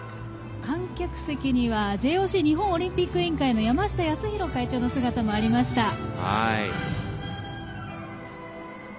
観客席にはＪＯＣ＝日本オリンピック委員会の山下泰裕会長の姿もありました。